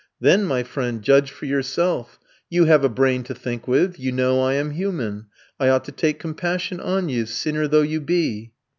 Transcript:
"Then, my friend, judge for yourself. You have a brain to think with, you know I am human, I ought to take compassion on you, sinner though you be."